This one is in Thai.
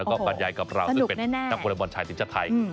และก็ปัญญาณกับเราสื่อเป็นนักมะไลน์บอลชายนิชยาไทย